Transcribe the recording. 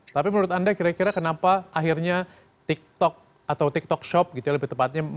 tapi menurut anda kira kira kenapa akhirnya tiktok atau tiktok shop gitu ya lebih tepatnya